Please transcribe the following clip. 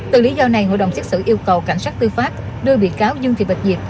từ lý do này hội đồng xét xử yêu cầu cảnh sát tư pháp đưa bị cáo dương thị bạch diệp